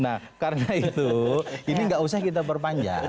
nah karena itu ini nggak usah kita perpanjang